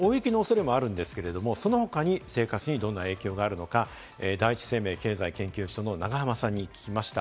大雪の恐れもあるんですけれども、その他に生活にどんな影響があるのか第一生命経済研究所の永濱さんに聞きました。